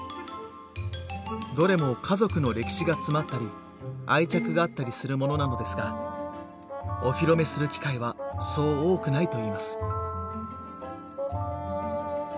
どれも家族の歴史が詰まったり愛着があったりするものなのですがお披露目する機会はそう多くないといいます。